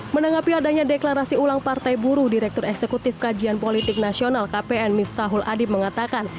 menanggapi adanya deklarasi ulang partai buruh direktur eksekutif kajian politik nasional kpn miftahul adib mengatakan